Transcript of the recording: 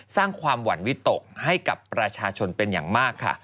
สร้างความหวั่นวิตกให้กับประชาชนเป็นอย่างมากค่ะ